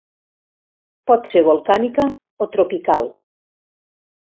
Pot ser volcànica o tropical.